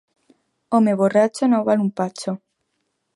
Home borratxo no val un patxo.